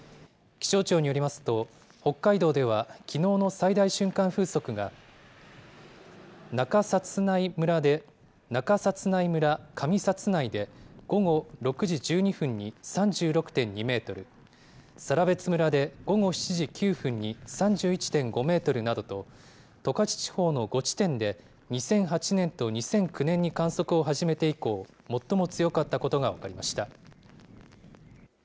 気象庁によりますと、北海道ではきのうの最大瞬間風速が、中札内村上札内で午後６時１２分に３６．２メートル、更別村で午後７時９分に３１．５メートルなどと、十勝地方の５地点で、２００８年と２００９年に観測を始めて以降、最も強かったことが分かりました。